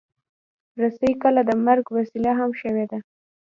رسۍ کله د مرګ وسیله هم شوې ده.